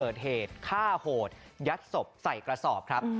เกิดเหตุฆ่าโหดยัดศพใส่กระสอบครับ